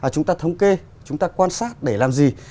chúng ta thống kê chúng ta quan sát để làm gì